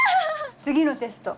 次のテスト。